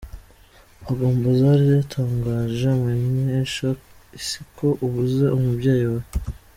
Amagambo Zari yatangaje amenyesha isi ko abuze umubyeyi we.